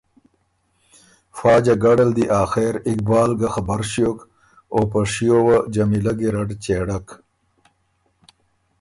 پا جګړه ل دی آخر اقبال ګه خبر ݭیوک او په شیو وه جمیلۀ ګیرډ چېړک